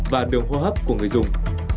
và đường hoa hấp của người dùng